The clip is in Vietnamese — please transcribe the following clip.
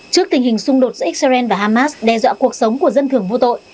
trước tình hình xung đột giữa israel và hamas đe dọa cuộc sống của dân thường vô tội